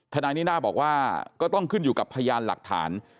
นายนิน่าบอกว่าก็ต้องขึ้นอยู่กับพยานหลักฐาน